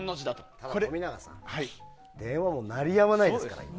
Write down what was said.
ただ冨永さん電話が鳴りやまないです。